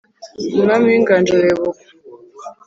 Umwami w’inganji arayobokwa.